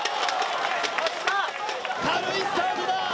軽いスタートだ。